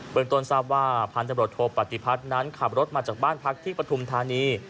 เมืองต้นทราบว่าพันธบรวจโทปฏิพัฒน์นั้นขับรถมาจากบ้านพักที่ปฐุมธานี